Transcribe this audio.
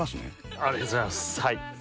ありがとうございます。